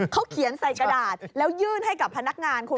เขาเขียนใส่กระดาษแล้วยื่นให้กับพนักงานคุณ